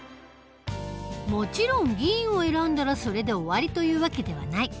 もちろん議員を選んだらそれで終わりという訳ではない。